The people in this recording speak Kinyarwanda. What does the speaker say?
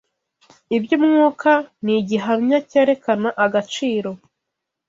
iby’umwuka ni igihamya cyerekena agaciro